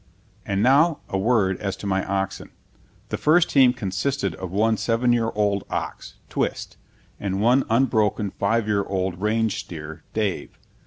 And now a word as to my oxen. The first team consisted of one seven year old ox, Twist, and one unbroken five year old range steer, Dave.